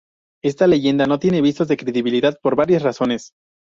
Esta leyenda no tiene visos de credibilidad por varias razones.